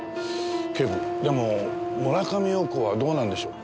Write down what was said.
警部でも村上陽子はどうなんでしょう？